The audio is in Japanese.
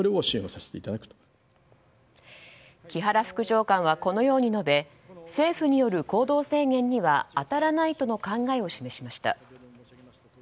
木原副長官は、このように述べ政府による行動制限には当たらないとの考えを示しました。